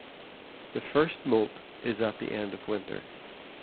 The first moult is at the end of winter.